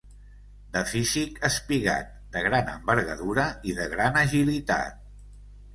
De físic espigat, de gran envergadura i de gran agilitat.